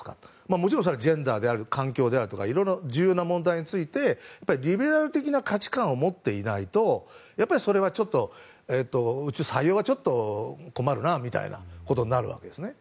もちろんジェンダーであるとか環境であるとかいろいろ重要な問題についてリベラル的な価値観を持っていないとそれは、うちは採用は困るなということになるわけですね。